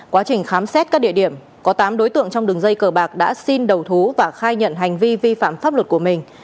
quá trình khám xét các địa điểm có tám đối tượng trong đường dây cờ bạc đã xin đầu thú và khai nhận hành vi vi phạm pháp luật của mình